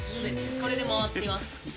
これで回ってます。